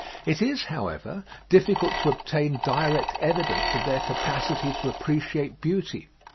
It is, however, difficult to obtain direct evidence of their capacity to appreciate beauty.